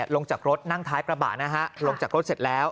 ลงจากรถนั่งท้ายกระบะนะฮะลงจากรถเสร็จแล้ว